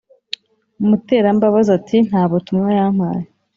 Muterambabazi ati"ntabutumwa yampaye